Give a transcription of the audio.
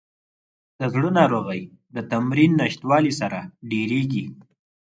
د زړه ناروغۍ د تمرین نشتوالي سره ډېریږي.